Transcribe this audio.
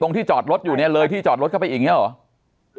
ที่จอดรถอยู่เนี่ยเลยที่จอดรถเข้าไปอย่างนี้หรอ